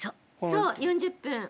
そう４０分。